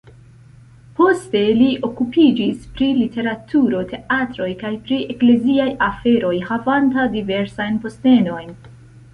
Poste li okupiĝis pri literaturo, teatroj kaj pri ekleziaj aferoj havanta diversajn postenojn.